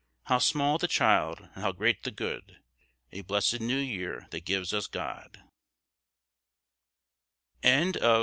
How small the child, and how great the good, &c. A blessed New Year that gives us God, &c.